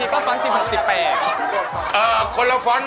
บางทีก็ฟ้อน๑๐๑๖๑๘